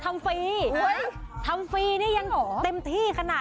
เจ็บไม่ไหวร้องไพรดีกว่าเอาแก่วดีทั้งทุกตา